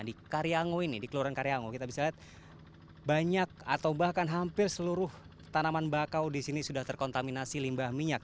di karyango ini di kelurahan karyango kita bisa lihat banyak atau bahkan hampir seluruh tanaman bakau di sini sudah terkontaminasi limbah minyak